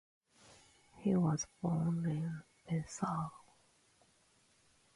He was born in Pesaro.